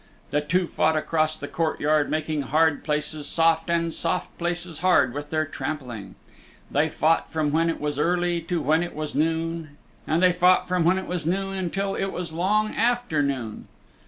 The two fought across the courtyard making hard places soft and soft places hard with their trampling. They fought from when it was early to when it was noon, and they fought from when it was noon until it was long afternoon.